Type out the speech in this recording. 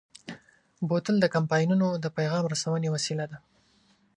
بوتل د کمپاینونو د پیغام رسونې وسیله ده.